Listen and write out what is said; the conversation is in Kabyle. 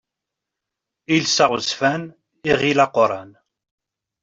Iles aɣezzfan, iɣil aquran.